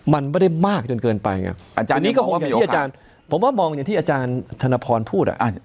มันไม่ได้มากจนเกินไปเนี่ยผมว่ามองอย่างที่อาจารย์ธนพรพูดอ่ะ